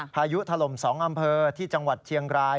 พายุถล่ม๒อำเภอที่จังหวัดเชียงราย